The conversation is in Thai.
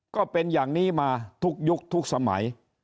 ก็เป็นอย่างนี้มาทุกยุคทุกสมัย